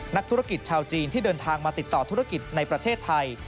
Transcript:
นักธุรกิจชาวจีนที่เดินทางมาติดต่อธุรกิจในประเทศไทย